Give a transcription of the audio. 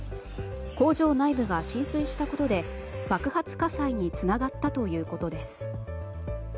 工場内部が浸水したことで爆発火災につながったということです。